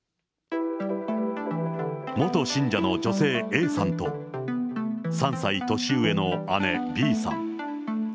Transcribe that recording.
元信者の女性Ａさんと、３歳年上の姉、Ｂさん。